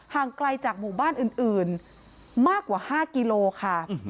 ไกลจากหมู่บ้านอื่นมากกว่า๕กิโลค่ะ